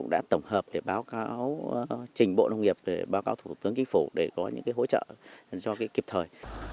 đã tổng hợp để báo cáo trình bộ nông nghiệp để báo cáo thủ tướng kinh phủ để có những cái hỗ trợ cho cái kịp thời